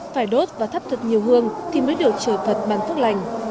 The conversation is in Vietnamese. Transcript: phải đốt và thắp thật nhiều hương thì mới được chờ phật bàn phước lành